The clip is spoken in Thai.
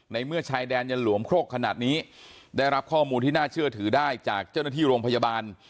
เมื่อชายแดนยังหลวมโครกขนาดนี้ได้รับข้อมูลที่น่าเชื่อถือได้จากเจ้าหน้าที่โรงพยาบาล